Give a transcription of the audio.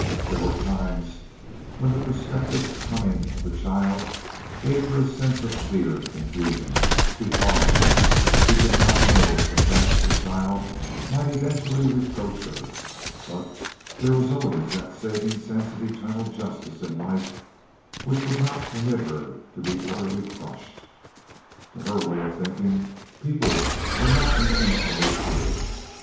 There were times when the prospective coming of the child gave her a sense of fear and confusion, because she did not know but that the child might eventually reproach her; but there was always that saving sense of eternal justice in life which would not permit her to be utterly crushed. To her way of thinking, people were not intentionally cruel.